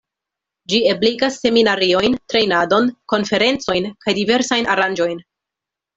Ĝi ebligas seminariojn, trejnadon, konferencojn kaj diversajn aranĝojn.